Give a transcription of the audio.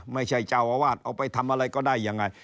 ไม่ใช่เจ้าอาวาสเอาไปทำอะไรก็ได้ยังไง